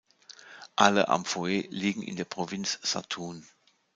Alle Amphoe liegen in der Provinz Satun.